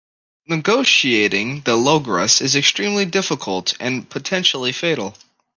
Negotiating the Logrus is extremely difficult and potentially fatal.